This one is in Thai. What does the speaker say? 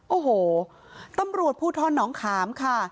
โอ้โหตำรวจภูทรหนองขามค่ะ